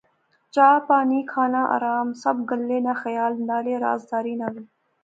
چاء پانی، کھانا آرام۔۔۔ سب گلیں ناں خیال۔ نالے رازداری ناں وی